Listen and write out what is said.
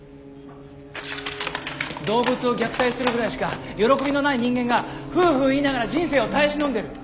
動物を虐待するぐらいしか喜びのない人間がフーフー言いながら人生を耐え忍んでる。